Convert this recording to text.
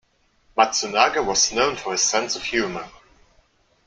Matsunaga was known for his sense of humor.